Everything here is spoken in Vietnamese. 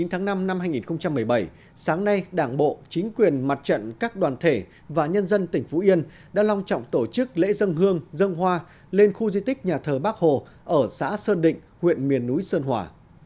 hôm nay đảng bộ chính quyền mặt trận các đoàn thể và nhân dân tỉnh phú yên đã long trọng tổ chức lễ dân hương dân hoa lên khu di tích nhà thờ bắc hồ ở xã sơn định huyện miền núi sơn hòa